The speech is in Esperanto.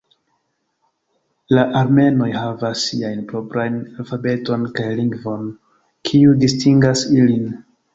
La armenoj havas siajn proprajn alfabeton kaj lingvon kiuj distingas ilin.